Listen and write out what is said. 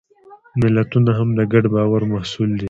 ملتونه هم د ګډ باور محصول دي.